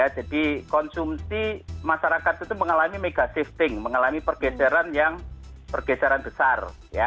jadi konsumsi masyarakat itu mengalami mega shifting mengalami pergeseran yang pergeseran besar